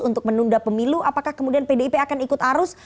untuk menunda pemilu apakah kemudian pdip akan ikut arus